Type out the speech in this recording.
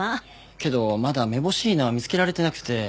けどまだめぼしいのは見つけられてなくて。